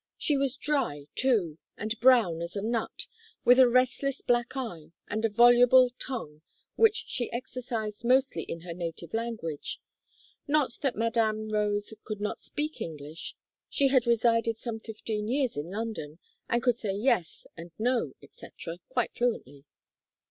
She was dry, too, and brown as a nut, with a restless black eye, and a voluble tongue, which she exercised mostly in her native language not that Madame Rose could not speak English; she had resided some fifteen years in London, and could say 'yes' and 'no,' &c., quite fluently.